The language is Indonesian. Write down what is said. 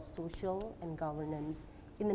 sosial dan pemerintahan